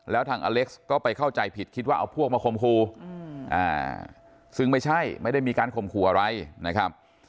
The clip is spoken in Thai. แล้วทางอเล็กซ์ก็ไปเข้าใจผิดคิดว่าเอาพวกมาคมครูซึ่งไม่ใช่ไม่ได้มีการข่มขู่อะไรนะครับ